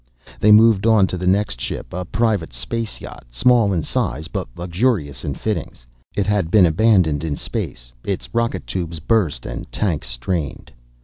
They moved on to the next ship, a private space yacht, small in size, but luxurious in fittings. It had been abandoned in space, its rocket tubes burst and tanks strained.